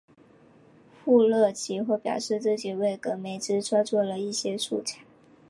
富勒其后表示自己为戈梅兹创作了一些素材。